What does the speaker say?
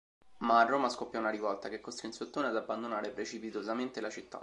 Ma a Roma scoppiò una rivolta, che costrinse Ottone ad abbandonare precipitosamente la città.